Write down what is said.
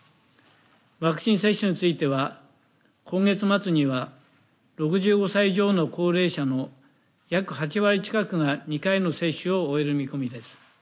ワクチン接種については今月末には６５歳以上の高齢者の約８割近くが２回の接種を終える見込みです。